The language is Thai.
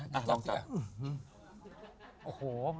ลองจัด